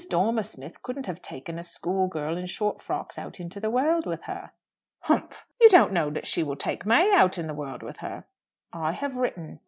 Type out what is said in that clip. Dormer Smith couldn't have taken a schoolgirl in short frocks out into the world with her." "Humph! You don't know that she will take May out into the world with her?" "I have written.